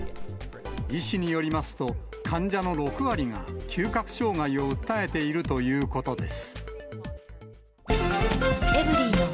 医師によりますと、患者の６割が嗅覚障害を訴えているということです。